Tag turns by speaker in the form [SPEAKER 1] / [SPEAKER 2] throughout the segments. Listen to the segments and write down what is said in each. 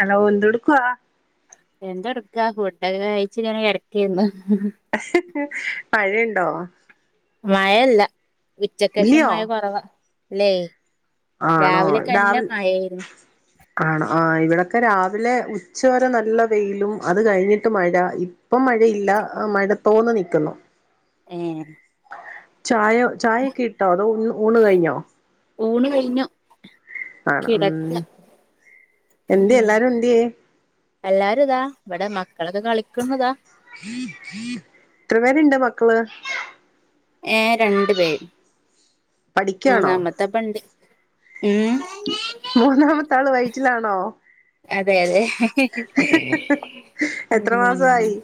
[SPEAKER 1] Hello എന്തോ എട്ക്കുവാ
[SPEAKER 2] എന്താടുക്കാ ഫുഡെ കായിച്ച് ഇങ്ങനെ കേടാക്ക്യാന്ന്
[SPEAKER 1] മഴയേണ്ടോ
[SPEAKER 2] മഴേയല്ലാ ഉച്ച്ക്കേശം
[SPEAKER 1] ഇല്ലയോ
[SPEAKER 2] മഴ കൊറവാ അല്ലേ
[SPEAKER 1] ആണോ
[SPEAKER 2] രാവിലെക്കെ
[SPEAKER 1] രാ
[SPEAKER 2] നല്ല മഴയായിരുന്നു
[SPEAKER 1] ആണോ ആാ ഇവടെക്കെ രാ ല്ലെ ഉച്ചാവേരെ നല്ല വെയിലും അത് കഴിഞ്ഞിട്ട് മഴ ഇപ്പം മഴയില്ല മഴ തോന്ന് നിക്ക്ന്നു
[SPEAKER 2] ഉം
[SPEAKER 1] ചായാ ചായോക്കെ ഇട്ടോ അതോ ഉണ ഊണ് കഴിഞ്ഞോ
[SPEAKER 2] ഊണ് കഴിഞ്ഞു
[SPEAKER 1] ആണ് ഉം
[SPEAKER 2] കിടക്ക
[SPEAKER 1] എന്തിയേ
[SPEAKER 2] ഉം
[SPEAKER 1] എല്ലാരും എന്തിയേ
[SPEAKER 2] എല്ലാരും ഇതാ ഇവടെ മക്കളൊക്കെ കളിക്ക്ന്നതാ
[SPEAKER 1] എത്ര പേര് ഒണ്ട് മക്കള്
[SPEAKER 2] യെ രണ്ട് പേര്
[SPEAKER 1] പഠിക്കാണോ
[SPEAKER 2] മൂന്നാമത്തെപ്പണ്ടി ഉം
[SPEAKER 1] മൂന്നാമത്തെ ആള് വൈയ്യാറ്റിലാണോ
[SPEAKER 2] അതെ അതെ
[SPEAKER 1] എത്ര
[SPEAKER 2] ഉം
[SPEAKER 1] മാസമായി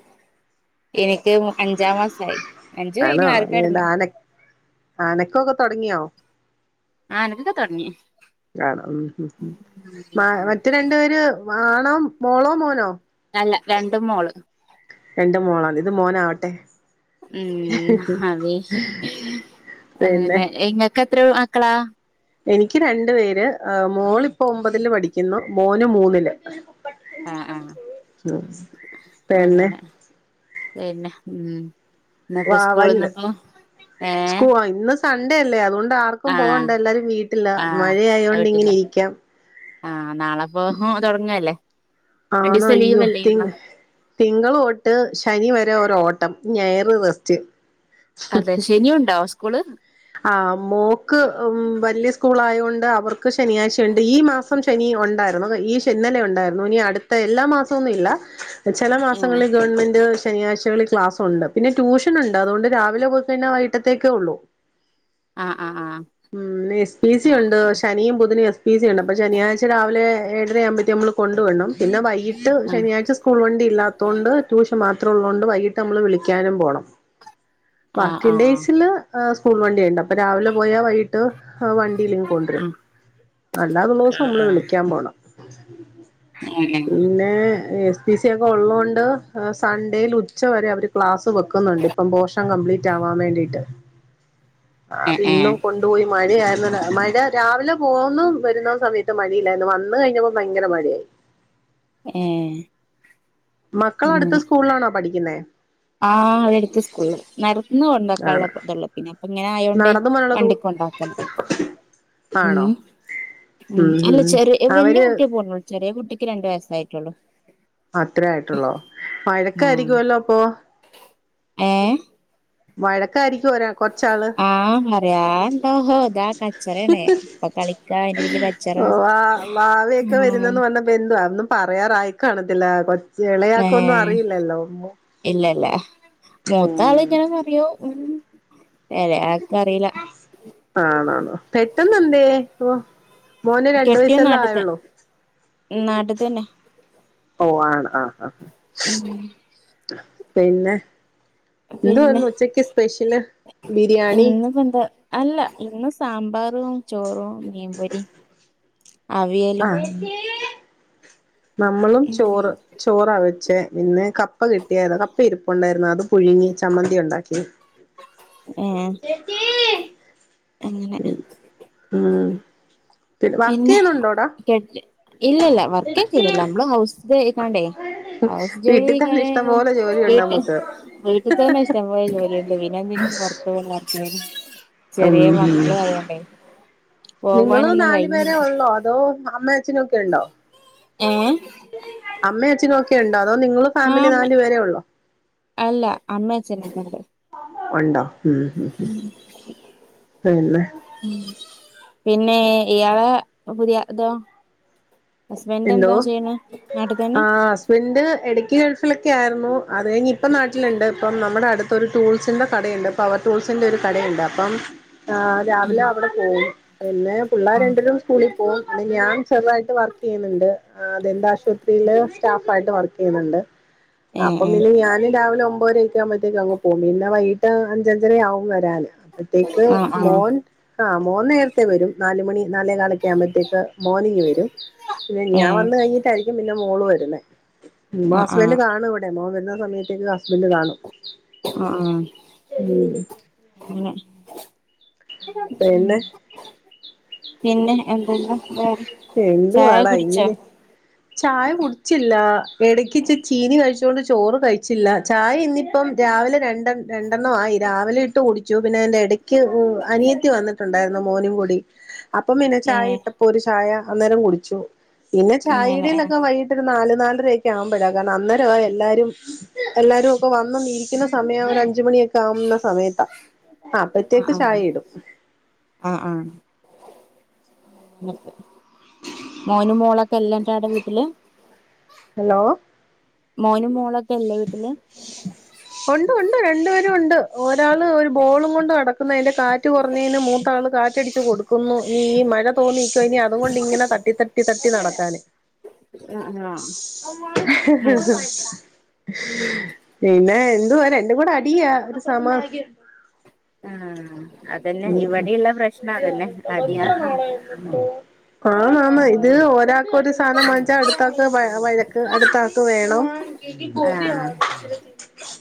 [SPEAKER 2] എനിക്ക് അഞ്ചാം മാസായി അഞ്ച് കഴിഞ്ഞ് ആറ്ക്കടന്ന്
[SPEAKER 1] അനോക്കൊക്കെ തെടങ്ങിയോ
[SPEAKER 2] അനാക്കാത്തോടങ്ങി
[SPEAKER 1] [unintelligible] ഉം മ മറ്റേ രണ്ട് പേര് ആണോ മോളോ മോനോ
[SPEAKER 2] അല്ല രണ്ടും മോള്
[SPEAKER 1] രണ്ടും മോളാണ് ഇത് മോനാവട്ടെ
[SPEAKER 2] ഉം അതോ ആാ
[SPEAKER 1] പിന്നെ
[SPEAKER 2] ഇങ്ങന [unintelligible] എത്രാ മക്കളാ
[SPEAKER 1] എനിക്ക് രണ്ട് പേര് മോള് ഇപ്പൊ ഒമ്പതില് പഠിക്കുന്നു മോന് മൂന്നില്
[SPEAKER 2] ആാ ആാ
[SPEAKER 1] ഉം പിന്നെ
[SPEAKER 2] അങ്ങനെ പിന്നെ ഉം ഇന്നേപ്പോ
[SPEAKER 1] വാ വല്ല്
[SPEAKER 2] സ്കൂളിന്നാപ്പോ യെ
[SPEAKER 1] സാണ്ടേയല്ലേ അത് കൊണ്ട് ആർക്കും പോവാണ്ട എല്ലാരും വീട്ടിലാ മഴയോണ്ട് ഇങ്ങനെ ഇരിക്കാം
[SPEAKER 2] ആാ നാളെ അപ്പൊ തെടാങ്ങല്ലേ
[SPEAKER 1] ആണോ അയ്യോ തി തിങ്കാള് തൊട്ട് ശനി നി വെരെ ഒര് ഓട്ടം ഞായാറ് റേസ്റ്റ്
[SPEAKER 2] അതെ ശനി ഒണ്ടാവേ സ്കൂള്
[SPEAKER 1] ആാ മോക്ക് ഉം വല്ല്യായ സ്കൂളോയോ അവർക്ക് ശനിയാഴ്ച ഒണ്ട് ഈ മാസം ശനി ഒണ്ടാര്ന്നു ഈ ശനി ഇന്നലെ ഒണ്ടാര്ന്നു ഇനി അട്ത്താ എല്ലാ മാസോം ന്നില്ലാ ചെല
[SPEAKER 2] ഏഹ്
[SPEAKER 1] മാസങ്ങാളി ഗവൺമെന്റ് ശനിയാഴ്ചകളി ക്ലാസ്സോണ്ട് പിന്നെ ട്യൂഷൻ ഒണ്ട് അത് കൊണ്ട് രാവലെ പോയി കഴീഞ്ഞാ വൈട്ടോത്തേക്കേ ഒള്ളു
[SPEAKER 2] ആാ ആാ ആാ
[SPEAKER 1] ഉം എസ് പി സി ഒണ്ട് ശനിയും ബുധനും എസ് പി സി ഒണ്ട് അപ്പം ശനിയാഴ്ച രാവിലെ ഏഴര ആമ്പോത്തേ നമ്മള് കൊണ്ട് വിടാണം പിന്നെ വൈകിട്ട് ശനിയാഴ്ച സ്കൂൾ വണ്ടി ഇല്ലാത്തോണ്ട് ട്യഷൻ മാ ത്രള്ളോണ്ട് വൈകട്ട് നമ്മള് വിളിക്കാനും പോണം
[SPEAKER 2] ആഹ് ആഹ് ആഹ്
[SPEAKER 1] വർക്കിൻ
[SPEAKER 2] ആഹ്
[SPEAKER 1] ഡേയ്സില് ആ സ്കൂൾ വണ്ടിയോണ്ട് അപ്പൊ രാവിലെ പോയാ വൈകിട്ട് ആ വണ്ടില് ഇങ്ങ് കൊണ്ട് വെരും
[SPEAKER 2] ഉം
[SPEAKER 1] അല്ലാതോള്ള ദിസം
[SPEAKER 2] ആഹ്
[SPEAKER 1] നമ്മള്
[SPEAKER 2] ആഹ്
[SPEAKER 1] വിളിക്കാൻ പോണം പിന്നെ
[SPEAKER 2] [unintelligible]
[SPEAKER 1] എസ് പി സി ഒക്കെ ഒള്ളോണ്ട് യെ സൺഡേയില് ഉച്ചവരെ അവര് ക്ലാസ് വെക്ക്ന്നോണ്ട് ഇപ്പം പോഷ ഷൻ കംപിറ്റ് ആവാൻ വേണ്ടിട്ട് ആ
[SPEAKER 2] ഏഹ്
[SPEAKER 1] ഇന്നും
[SPEAKER 2] ഏഹ്
[SPEAKER 1] കൊണ്ട് പോയി മഴ മഴ രാവിലെ പോകുന്ന വെര്ന്നാ സമയത്ത് മഴയില്ലാരുന്നു വന്ന് കഴിഞ്ഞപ്പോ ബയങ്കര മഴയായി
[SPEAKER 2] യെ
[SPEAKER 1] മക്കള് അട്ത്താ സ്കൂളിലാണോ പഠിക്ക്ന്നേ
[SPEAKER 2] ആഹ് അതെടുത്ത് സ്കൂൾ നടന്ന്
[SPEAKER 1] ആണ്
[SPEAKER 2] കൊണ്ടാക്കാനുള്ളതേയുള്ളൂ പിന്നെ അപ്പ ആയോണ്ട്
[SPEAKER 1] നടന്നു പോകാനുള്ള ദൂ
[SPEAKER 2] വണ്ടിയ്ക്ക് കൊണ്ടാക്കണം ഉ
[SPEAKER 1] ആണോ
[SPEAKER 2] ഉ
[SPEAKER 1] ഉം
[SPEAKER 2] അല്ല
[SPEAKER 1] ഉം
[SPEAKER 2] ചെറിയ വലിയ
[SPEAKER 1] അവര്
[SPEAKER 2] കുട്ടിയ പോണോളൂ ചെറിയ കുട്ടി ഒക്ക് രണ്ട് വയസ്സായിട്ടുള്ളു
[SPEAKER 1] അത്ര ആയിട്ടുള്ളോ വഴക്കായിരിക്കുവല്ലോ അപ്പൊ
[SPEAKER 2] ഏ
[SPEAKER 1] വഴക്കായിരിക്കും ഒരാ കൊറച്ചാള്
[SPEAKER 2] ആഹ് പറയാണ്ടോോ [unintelligible] ഇതാ കച്ചറിയണേ ഇപ്പൊ കളിക്കാ അറെ വീല് കച്ചറി
[SPEAKER 1] ഓ വ വാവൊക്കെ വരുന്നന്ന് വന്ന ബന്ധു അന്നും പറയാറായി കാണത്തില്ല കൊ
[SPEAKER 2] ഏ
[SPEAKER 1] ഇളയാക്ക ഒന്നും അറിയില്ലല്ലോ ഉമ്മ
[SPEAKER 2] ഇല്ലല്ല മൂത്ത ആള് ഇങ്ങനെ പറയോ
[SPEAKER 1] ആണോണോ പെട്ടെന്ന് എന്ത മോന രണ്ടു
[SPEAKER 2] കെട്ടിയോൻ
[SPEAKER 1] വയസെല്ലേ
[SPEAKER 2] നാട്ടിത്തെ
[SPEAKER 1] ആയുള്ളൂ
[SPEAKER 2] നാട്ടിത്തന്നെ
[SPEAKER 1] ഓ ആണ് ആ ആ പിന്നെ എന്ത്
[SPEAKER 2] പിന്നെ
[SPEAKER 1] വന്നു ഉച്ചക്ക് സ്പെഷ്യല് ബിരിയാണി
[SPEAKER 2] ഇന്നിപ്പോ എന്താ അല്ല ഇന്ന് സാമ്പാറും ചോറും മീൻ പൊരി
[SPEAKER 1] ആഹ് നമ്മളും ചോറ് ചോറ വെ ക്ഷേ പിന്നെ കപ്പ കിട്ടിയായിരുന്നു കപ്പ ഇരിപ്പ ഉണ്ടായിരുന്നു അത് പുഴുങ്ങി ചമ്മന്തി ഉണ്ടാക്കി
[SPEAKER 2] ഏ അങ്ങനെ
[SPEAKER 1] ത്തിൽ വർക്ക്
[SPEAKER 2] പിന്നെ
[SPEAKER 1] ചെയ്യുന്നുണ്ടോടാ
[SPEAKER 2] കെട്ടി ഇല്ലല്ല വർക്കേ ചെയലല്ല നമ്മള് ഹൗസ് കാണ്ടേ
[SPEAKER 1] വീട്ടിൽ തന്നെ ഇഷ്ടം പോലെ ജോലിയുണ്ട് നമുക്ക്
[SPEAKER 2] [unintelligible] വീട്ടിൽ തന്നെ ഇഷ്ടം പോലെ ജോലിയൊക്കെ പിന്നെ [unintelligible]
[SPEAKER 1] ഉം
[SPEAKER 2] ചെറിയ
[SPEAKER 1] ഉം
[SPEAKER 2] മക്കളും ആയോണ്ടേ
[SPEAKER 1] നിങ്ങള്
[SPEAKER 2] പോവാനൊന്നും
[SPEAKER 1] നാലു പേരെ
[SPEAKER 2] കഴിഞ്ഞില്ല
[SPEAKER 1] ഉള്ളോ അതോ അമ്മേ അച്ചനൊക്കെ ഉണ്ടോ
[SPEAKER 2] ഏ
[SPEAKER 1] അമ്മയും അച്ഛനും ഒക്കെയുണ്ടോ അതോ നിങ്ങള്
[SPEAKER 2] ആ
[SPEAKER 1] ഫാമിലി നാല് പേരെ ഉള്ളോ
[SPEAKER 2] അല്ല അമ്മ അച്ഛനൊക്കെ ഉണ്ട്
[SPEAKER 1] ഉണ്ടോ ഉം ഉം പിന്നെ
[SPEAKER 2] ഉം പിന്നെ ഇയാളെ പുതിയ തോ ഹസ്ബൻഡ എന്തോ ചെയ്യണ
[SPEAKER 1] ആഹ് ഹസ്ബൻഡ് ഇടയ്ക്ക് ഗൾഫിലൊക്കെ ആയിരുന്നു അത് കഴിഞ്ഞ് ഇപ്പം നാട്ടിലുണ്ട് ഇപ്പം നമ്മുടെ അടുത് ഒരു ടൂൾസിന്റെ കടയുണ്ട് പവർ ടൂൾസിന്റെ ഒരു കടയുണ്ട് അപ്പം ആഹ് രാവിലെ അവിടെ പോവും പിന്നെ പിള്ളേർ
[SPEAKER 2] ആ
[SPEAKER 1] രണ്ടും സ്കൂളിൽ പോകും പിന്നെ ഞാൻ [unintelligible] ആയിട്ട് വർക്ക് ചെയ്യുന്നുണ്ട് ദന്താശുപത്രിയില് സ്റ്റാഫ് ആയിട്ട് വർക്ക് ചെയ്യുന്നുണ്ട്
[SPEAKER 2] ഏ
[SPEAKER 1] അപ്പം
[SPEAKER 2] ഏ
[SPEAKER 1] പിന്നെ ഞാനും രാവിലെ ഒ [unintelligible] ആകുമ്പോഴത്തേക്ക് അങ്ങ് പോകും പിന്നെ വൈകിട്ട് അഞ്ച് അഞ്ചര ആവും വരാൻ അപ്പത്തേക്ക്
[SPEAKER 2] ആ ആ
[SPEAKER 1] മോൻ ആഹ് മോൻ നേരത്തെ വരും നാലുമണി നാലേ കാലൊക്കെ ആവുമ്പോത്തേക്ക് മോനിങ്ങ് വരും പിന്നെ
[SPEAKER 2] ഏ
[SPEAKER 1] ഞാൻ വന്ന കഴിഞ്ഞിട്ടായിരിക്കും പിന്നെ മോള് വരുന്നേ പിന്നെ
[SPEAKER 2] ആ ആ
[SPEAKER 1] ഹസ്ബൻഡ് കാണു ഇവിടെ മോൻ വ സമയത്തേക്ക് ഹസ്ബൻഡ് കാണും
[SPEAKER 2] ആഹ് ആഹ്
[SPEAKER 1] ഉം
[SPEAKER 2] [unintelligible]
[SPEAKER 1] പിന്നെ
[SPEAKER 2] പിന്നെ എൻ
[SPEAKER 1] എന്തുവാടാ
[SPEAKER 2] കുടിച്ചോ
[SPEAKER 1] ഇങ്ങനെ ചായ കുടിച്ചില്ല ഇടക്കിരി ചീനി കഴിച്ച [unintelligible] ചോറ് കഴിച്ചില്ല ചായ ഇന്നിപ്പം രാവില രണ്ടെ രണ്ടെണ്ണം ആയി രാവിലെ ഇട്ട് കുടിച്ചു പിന്നെ എതിന്റെ ഇടയ്ക് [unintelligible] അനിയത്തി വന്നിട്ടുണ്ടായിരുന്നു മോനും കൂടി അപ്പം പിന്നെ
[SPEAKER 2] ഏ
[SPEAKER 1] ചായ ഇട്ടപ്പോ ചായ അന്നേരം കുടിച്ചു പിന്നെ ചായ
[SPEAKER 2] അങ്ങനെ
[SPEAKER 1] ഇടീൽ
[SPEAKER 2] ആ
[SPEAKER 1] ഒക്കെ വൈകിട്ട് ഒരു നാല് നാലര [unintelligible] ഒക്കെ ആകുമ്പോഴാ കാരണം അന്നരമാ എല്ലാരും എല്ലാരും ഒക്കെ വന്ന ഇരിക്കുന്ന സമയം ഒരു അഞ്ച് മണി കാവുന്ന സമയത്താ. ആ അപ്പയത്തേക്ക്
[SPEAKER 2] ആ
[SPEAKER 1] ചായ ഇടും
[SPEAKER 2] ആ ആ മോനും മോളൊക്കെല്ലക്കാടെ. വീട്ടില്
[SPEAKER 1] ഹലോ..
[SPEAKER 2] മോനും മോളൊക്കല്ലേ വീട്ടില്
[SPEAKER 1] രണ്ടു പേരണ്ട് ഒരാള് ഒരു ബോളും കൊണ്ടടക്കാ തിന്റെ കാറ്റ് കുറഞ്ഞതിന് മൂത്താള് കാറ്റടിച്ച് കൊടുക്കുന്നു ഈ മഴത് തോന്നിക്കോ ഇനി അതുകൊണ്ട് ഇങ്ങനെ തട്ടി, തട്ടി, തട്ടി, നടക്കാന്
[SPEAKER 2] ആ ആ
[SPEAKER 1] ഹ് ഹ് ഹ് പിന്നെ എന്തു പറയാ രണ്ടുംകൂടി അടിയാ ഒരു സമാ..
[SPEAKER 2] ആഹ് അതന്നെ.
[SPEAKER 1] ഉം
[SPEAKER 2] ഇവിടെയ്ള്ള പ്രശ്നം അതന്നെ അട്യ
[SPEAKER 1] ആഹ മാമ്മ ഇത് ഒരാൾക്ക് ഒരു സാധനം വാങ്ങിച്ചാ അടുത്താക്ക് വഴ വഴക്ക് അടുത്താക്ക് വേണം ഗോക ആ പ [unintelligible]
[SPEAKER 2] ഉം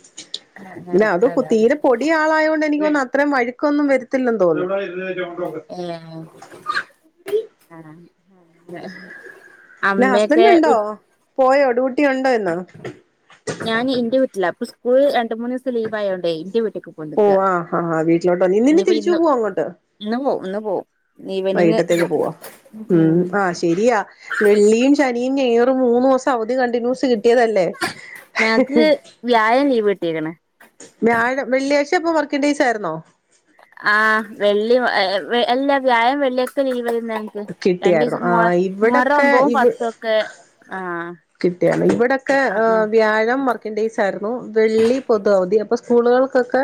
[SPEAKER 1] പിന്നെ അത് പ് തീരെ പൊടിയാവായേണ്ട് എനിക്ക്ന്ന് അത്ര മഴുക്കൊന്നും പിടിക്കുന്നുണ്ടേ
[SPEAKER 2] ഏ.. ഇം
[SPEAKER 1] പിന്നെ ഹസ്ബൻഡ്
[SPEAKER 2] അമ്മയൊക്കെ
[SPEAKER 1] ഉണ്ടോ
[SPEAKER 2] വിഡ്
[SPEAKER 1] പോയോ ടൂട്ടി ഉണ്ടോ ന്ന്
[SPEAKER 2] ഇല്ല പ്പ സ്കൂൾ രണ്ട്, മൂന്ന്, ദിസ്ത്ത ലീവായയോണ്ട് ഇന്റെ വീ..
[SPEAKER 1] ഓ ആ ആാ ആ നച്ചേട്ടാ നീ ഇന്ന് തിരിച്ചേവേ അങ്ങോട്ട്
[SPEAKER 2] ഇന്ന് പോവും ഇന്ന് പോവും ഈവനിങ്
[SPEAKER 1] വൈകിട്ടത്തേക്ക് പോവാ, ഉം, ആ ശരിയാ വെള്ളയിം ശനിയും ഞാറും മൂന്ന്ദൂസം അവധി കണ്ടിന്യൂസ് കിട്ടിയതല്ലേ?
[SPEAKER 2] ഞങ്ങക്ക് വ്യാഴം ലീവ് കിട്ടിയേക്കണ്
[SPEAKER 1] വ്യാഴം, വെള്ളിയാഴ്ച ഇപ്പൊ വർക്കിൻ ഡേസ് ആായിരുന്നോ
[SPEAKER 2] ആഹ വെള്ളി ഏ.. ആ.. എല്ല വ്യായം വെള്ളിയായ്ച്ച ലീവ് ഞങ്ങക്ക്
[SPEAKER 1] കിട്ടിയായിരുന്നു
[SPEAKER 2] രണ്ടീസം. മുഹ
[SPEAKER 1] ആഹ്
[SPEAKER 2] മുഹറ്ം
[SPEAKER 1] ഇവിടൊക്കെ
[SPEAKER 2] ഒൻപതും
[SPEAKER 1] ഇവി
[SPEAKER 2] പത്തൊക്കെ ആഹ്...
[SPEAKER 1] കിട്ടിയാണ് ഇവിടെൊക്കെ
[SPEAKER 2] ആഹ്
[SPEAKER 1] ഹ് വ്യാഴം. വർക്കിംഗ്‌ ടൈസ് ആയിരുന്നു വെള്ളി പെതു അവധി അപ്പ സ്കൂൾ കൾകെക്കെ,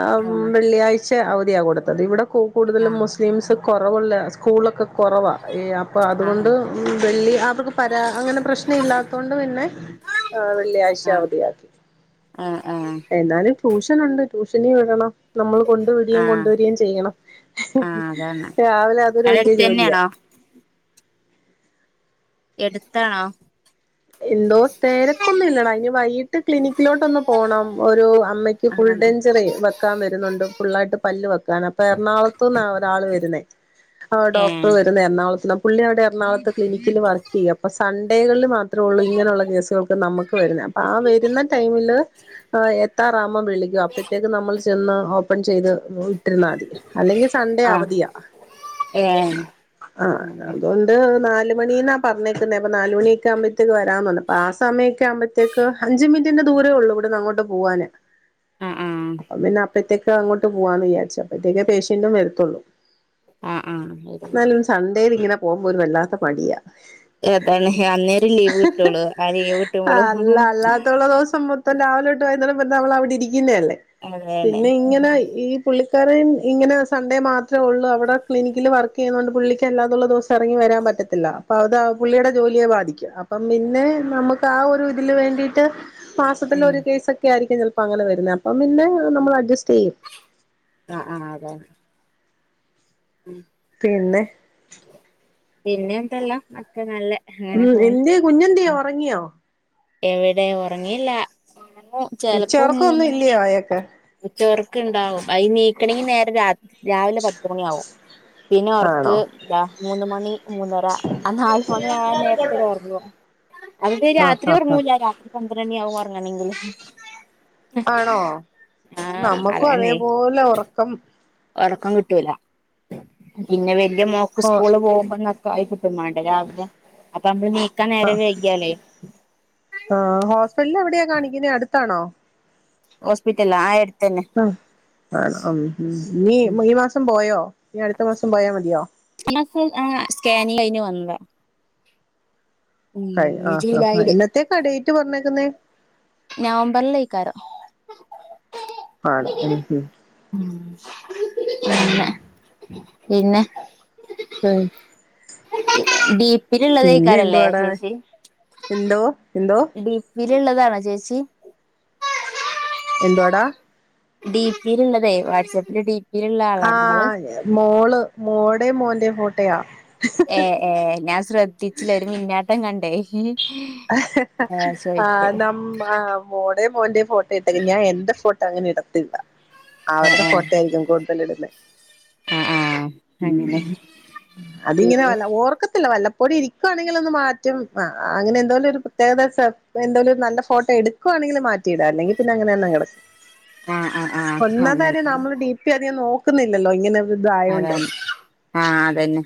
[SPEAKER 1] ഉം.. വെള്ളിയാഴ്ച ച്ചൊ അവധിയാ കൊടുത്തത് ഇവിടെ കു കൂടുതലും മുസ്ലിംസ് കുറവുള്ള സ്കൂളൊക്കെ കുറവാ. ഏ അപ്പൊ
[SPEAKER 2] ആഹ്
[SPEAKER 1] അതുകൊണ്ട്
[SPEAKER 2] ആഹ്
[SPEAKER 1] വെള്ളി അതെക്കെ പരാ അങ്ങനെ പ്രശ്ന? ല്ലാത്തൊണ്ട് പിന്നെ.. വെള്ളിയാഴ്ച,
[SPEAKER 2] ആഹ് ആഹ്
[SPEAKER 1] അവധിയാ,
[SPEAKER 2] ഏഹ് ഏഹ്
[SPEAKER 1] എന്നാലും. ട്യൂഷനുണ്ട് ട്യൂഷനിൽ വിടണം നമ്മൾ കൊണ്ടു വിടുകയും
[SPEAKER 2] ആഹ്
[SPEAKER 1] കൊണ്ട രികയും ചെയ്യണം.
[SPEAKER 2] ആഹ് അതാണ്
[SPEAKER 1] രാവിലെ അതൊരു
[SPEAKER 2] അവിടെ
[SPEAKER 1] വല്ലൃ
[SPEAKER 2] അടുത്ത്
[SPEAKER 1] ജോലിയാ.
[SPEAKER 2] തന്നെയാണോ എടുത്താണോ?
[SPEAKER 1] എന്തോ.. തിരക്കൊന്നും ഇല്ലടാ.. ഇനി വൈകിട്ട് ക്ലിനിക്കിലോട്ടൊന്ന് പോണം ഒരു അപ് അമ്മക്ക് ഫുൾ
[SPEAKER 2] ആഹ്
[SPEAKER 1] ഡേഞ്ചറി വെക്കാൻ വരുന്നുണ്ട് ഫുള്ളായിട്ട് പല്ല് വെക്കാൻ അപ്പൊ എറണാകുളത്ത്ന്നാ ഒരാൾ വരുന്നത്. ആ ഡോക്ടർ
[SPEAKER 2] ഏഹ്
[SPEAKER 1] വരുന്ന എറണാകുളത്ത്ന്ന പുള്ളി അവിടെ എറണാളത്ത് ക്ലിനിക്കിൽ വർക്കെയ്യാ അപ്പെ സൺഡേകളിൽ മാത്രം അപ്പൊ ആ വരുന്ന ടൈമില് എത്താറാവുമ്പം വിളിക്കും അപ്പോഴത്തേക്ക് നമ്മൾ ചെന്ന് ഓപ്പൺ ചെയ്ത് ഇട്ടിരുന്നാൽ അല്ലെങ്കിൽ സൺഡേ
[SPEAKER 2] ആഹ്
[SPEAKER 1] അവധിയാ.
[SPEAKER 2] ഏഹ്
[SPEAKER 1] ആഹ
[SPEAKER 2] ആഹ്
[SPEAKER 1] അതുകൊണ്ട് നാലുമണീന്നാ പറഞ്ഞേക്കുന്നേ അപ്പൊ നാലുമണിയെക്കാവുബേ.. തേക്ക് വെരാപറഞ് ആസമയൊക്കെ ആകുമ്പോത്തേക്ക് അഞ്ച് മിനിറ്റിന്റെ ദൂരേ ഉള്ളൂ ഇവിടന്ന് അങ്ങോട്ട് പോകവാാന്
[SPEAKER 2] ആഹ്
[SPEAKER 1] അപ്പം പിന്നെ അപ്പഴത്തേക്ക അങ്ങോട്ട് പോവാന്ന് വിചാരിച്ച അപ്പത്തേക്ക പേഷ്യന്റും വരത്തുള്ളൂ
[SPEAKER 2] ആഹ് ആഹ്
[SPEAKER 1] എന്നാലും സൺഡേ ഇങ്ങനെ പോകുമ്പോ ഒരു വല്ലാത്ത മടിയാ
[SPEAKER 2] ഏതാണ് ഹാന്
[SPEAKER 1] ഹ്.. ഹ് ആ അല്ല അല്ലാത്തുള്ള ദിവസം മൊത്തം രാവിലെട്ട് തെട്ടാ അവിടെ ഇരിക്കുന്ന അല്ലേ
[SPEAKER 2] അതാണ്
[SPEAKER 1] പിന്നെ ഇങ്ങനെ ഈ പുള്ളി ക്കറും ഇങ്ങനെ സൺഡേ മാത്രേ ഉള്ളൂ അവിടെ ക്ലിനിക്കിൽ വർക്ക് ചെയ്യുന്നുകൊണ്ട് പുള്ളിക്ക് അല്ലാതത്തുള്ള ദിവസം ഇറങ്ങി വരാൻ പറ്റില്ല പറ്റില്ല അപ്പൊ അത് പുള്ളിയുടെ ജോലിയെ ബാധിക്കുന്ന അപ്പം പിന്നെ നമുക്ക് ആ ഒരു തില് വേണ്ടിട്ട്
[SPEAKER 2] ഉം
[SPEAKER 1] മാസത്തിലെരു കേസൊക്കെ ആയിരിക്കും ചെലപ്പങ്ങനെ വരന്നെ അപ്പ പിന്നെ നമ്മൾ അഡ്ജറ്റ്സ്റ്റ്
[SPEAKER 2] ആഹ ആഹ അതെ
[SPEAKER 1] പിന്നെ
[SPEAKER 2] പിന്നെ എന്തെല്ലാം അക്കെ നല്ലെ
[SPEAKER 1] ഉം എന്ത്യേ കുഞ്ഞെന്ത്യ ഉറങ്ങിയോ
[SPEAKER 2] എവിടെ ഒറങ്ങിയില്ല ഒറങ്ങും ചെലപ്പോ
[SPEAKER 1] ഉച്ചയൊറക്കം ഒന്നും
[SPEAKER 2] മൂന്ന് മണി
[SPEAKER 1] ഇല്ലയോ അയാക്ക്
[SPEAKER 2] ചോർക്ക്ണ്ടാവും അയ്നീക്കണങ്കി നേരം രാ രാവിലെ പത്ത് മണിയാവും പിന്നെ ഒർക്ക്
[SPEAKER 1] ആണോ
[SPEAKER 2] മൂന്ന് താ മൂന്ന് മണി മൂന്നര ആ നാല് മണി ആ നേര്ത്ത് ഒർങ്ങും [unintelligible]
[SPEAKER 1] ആഹ്
[SPEAKER 2] രാത്രി
[SPEAKER 1] ആഹ് ആഹ്
[SPEAKER 2] ഉറങ്ങൂല്ല രാത്രി പന്ത്രണി ആകുംഒർങ്ങണമങ്കില്
[SPEAKER 1] ആണോ
[SPEAKER 2] ആഹ്
[SPEAKER 1] നമ്മക്കും അതേപോലെ ഒറക്കം
[SPEAKER 2] ഒറക്കം കിട്ടൂല പിന്നെ വല്ല്യ മോക്ക്
[SPEAKER 1] ഹോ
[SPEAKER 2] സ്കൂള് പോകുമ്പോന്നൊക്കെ ആയികി ട്ടുമാണ്ടേ രാവിലെ അപ്പൊ നമ്മള് നീക്കാൻ നേരം വൈകിയാലേ
[SPEAKER 1] ആഹ് ഹോസ്പിറ്റൽലെവിടെയാ കാണിക്കുന്നേ അടുത്താണോ
[SPEAKER 2] ഹോസ്പിറ്റൽലോ ആ എട്ത്തന്നെ
[SPEAKER 1] ആണോ ആഹ് ഉം ഉം നീ ഈ മാസം പോയോ ഇനി അടുത്ത മാസം പോയാമതിയോ
[SPEAKER 2] ഈ മാസം ആഹ് സ്കാനിങ്ങ് കയിഞ്ഞ് വന്ന്
[SPEAKER 1] കഴ് ആ
[SPEAKER 2] ജൂലൈയില്
[SPEAKER 1] എന്നത്തേക്കാ ഡേറ്റ് പറഞ്ഞേക്കുന്നേ
[SPEAKER 2] നവംബറിലേക്കാരോം
[SPEAKER 1] ആണോ
[SPEAKER 2] പിന്നെ പിന്നെ
[SPEAKER 1] ഉ
[SPEAKER 2] ഡിപ്പില്ള്ളതയ്ക്കാരല്ലേ
[SPEAKER 1] എന്തുവാടാ
[SPEAKER 2] ചേച്ചി
[SPEAKER 1] എന്തോ എന്തോ
[SPEAKER 2] ഡി പി ഇല്ള്ളതാണോ ചേച്ചി
[SPEAKER 1] എന്തുആഡാ
[SPEAKER 2] ഡി പില്ള്ളതെ വാട്ട്സാപ്പിലെ ഡിപി
[SPEAKER 1] ആഹ മോള് മോടെ മോന്റെ ഫോട്ടോയാ
[SPEAKER 2] ട്ടിച്ചില്ല ഒരു മിന്നാട്ടം കണ്ടേ ഏ
[SPEAKER 1] ആ
[SPEAKER 2] ചോയിച്ചേ
[SPEAKER 1] ന്നമ്മ് ആ മോടേ മോന്റെ ഫോട്ടേയ് ഇട്ട് ര് ഞാൻ എന്റെ ഫോട്ടോ ട്ട അങ്ങനെ ഇടത്തില്ല
[SPEAKER 2] ഏ
[SPEAKER 1] അവര്ടെ
[SPEAKER 2] ഏ
[SPEAKER 1] ഫോട്ടോ ആയിരിക്കും കൂട്തൽ ഇടുന്നെ
[SPEAKER 2] ആ ആ അങ്ങനെ
[SPEAKER 1] അതിങ്ങനെ
[SPEAKER 2] പിന്നെ
[SPEAKER 1] വല്ല ഓർക്കത്തില്ല വല്ലപ്പോ ഒര് ഇരിക്കൊണെങ്ങിലൊന്ന് മാറ്റും അങ്ങനെ എന്തോനൊരു പ്രത്യകത വെച്ചാ എന്റെലൊരു നല്ല ഫോട്ടോ എടുക്കുവാണെങ്കില് മാറ്റിയിടാ അല്ലെങ്കി പിന്നെ അങ്ങനെന്നെകെടക്കും
[SPEAKER 2] ആ ആ ആ അങ്ങനെ
[SPEAKER 1] ഒന്നാംമ്ത്തകാര്യം നമ്മള് ഡി പി അധികം ന്നോക്ക്ന്നില്ലല്ലോ ഇങ്ങനെ ഇതായോണ്ട്
[SPEAKER 2] അതാണ് ആ അതന്നെ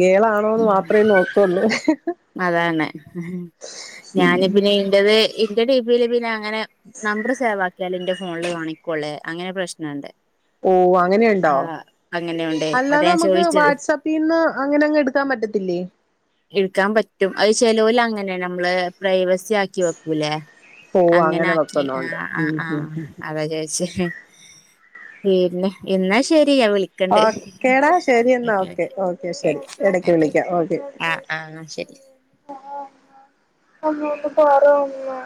[SPEAKER 1] ഗേളാണോന്ന് മാത്രെ നോക്കുള്ളൂ
[SPEAKER 2] അതാണ് ഞാനി
[SPEAKER 1] ഉം
[SPEAKER 2] പിന്നെ ഇന്റത് ഇന്റെ ടി പിയില് പിന്നെ അങ്ങനെ നമ്പർ സേവാക്കിയാല് എന്റെ ഫോണില് കാണിക്കോള്ള് അങ്ങനെ പ്രശ്നണ്ട്
[SPEAKER 1] ഓ അങ്ങനെയുണ്ടോ
[SPEAKER 2] ആഹ് അങ്ങനെയുണ്ടേ അതാ
[SPEAKER 1] അല്ലാതെ
[SPEAKER 2] ഞാൻ
[SPEAKER 1] നമുക്ക്
[SPEAKER 2] ചോദിച്ചത്
[SPEAKER 1] വാട്സപ്പിന്ന് അങ്ങനെ അങ്ങ് എടുക്കാൻ പറ്റത്തില്ലേ
[SPEAKER 2] എടുക്കാൻ പറ്റും അയ് ചെലോല് അങ്ങനെ നമ്മള് പ്രൈവസി ആക്കി വെക്കൂലേ
[SPEAKER 1] ഓ
[SPEAKER 2] അങ്ങനെ ആക്കി ആ
[SPEAKER 1] വെക്കുന്നുണ്ട്
[SPEAKER 2] ആ
[SPEAKER 1] ഉം
[SPEAKER 2] ആഹ
[SPEAKER 1] ഉം ഉം
[SPEAKER 2] അതാ ചോയ്ച്ച പിന്നെ എന്നാ ശരി ഞാൻ വിളിക്കണ്ട്
[SPEAKER 1] ഓക്കേടാ ശരി എന്നാ ഓക്കെ ഓക്കെ ശരി ഇടക്ക് വിളിക്കാം ഓക്കെ
[SPEAKER 2] ആഹ് ആഹ് ശരി
[SPEAKER 1] അമ്മ ഒന്ന് പറ അമ്മേ